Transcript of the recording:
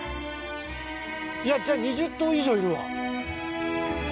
いや違う２０頭以上いるわ。